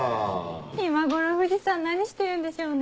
今頃藤さん何してるんでしょうね。